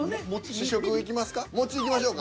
試食いきますか？